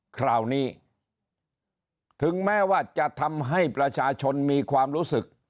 คราวนี้ถึงแม้ว่าจะทำให้ประชาชนมีความรู้สึก